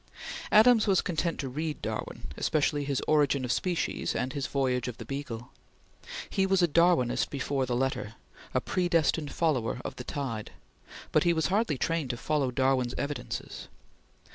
Adams was content to read Darwin, especially his "Origin of Species" and his "Voyage of the Beagle." He was a Darwinist before the letter; a predestined follower of the tide; but he was hardly trained to follow Darwin's evidences.